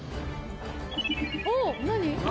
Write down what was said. おっ何？